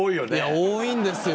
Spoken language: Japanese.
多いんですよ